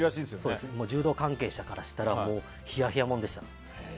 柔道関係者からしたらひやひやもんでした。